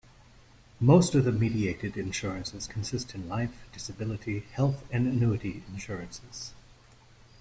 Most of the mediated insurances consist in life, disability, health and annuity insurances.